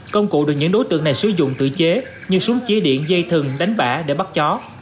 công cụ được những đối tượng này sử dụng tự chế như súng chỉ điện dây thừng đánh bạ để bắt chó